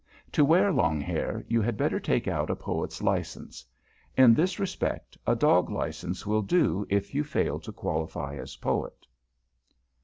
To wear long hair, you had better take out a Poet's license. In this respect a dog license will do if you fail to qualify as Poet.